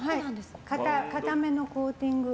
固めのコーティングで。